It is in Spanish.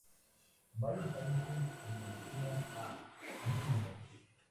Varios países homenajean a Artigas.